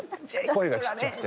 声がちっちゃくて。